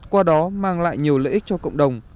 qua đó mang lại nhiều lợi ích cho cộng đồng